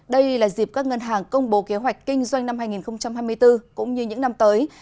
đây là dịp các ngân hàng công bố kế hoạch kinh doanh năm hai nghìn hai mươi bốn cũng như những năm tới